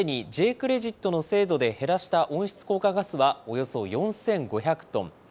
クレジットの制度で減らした温室効果ガスはおよそ４５００トン。